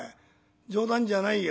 冗談じゃないよ」。